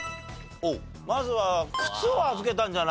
まずは靴を預けたんじゃないかと。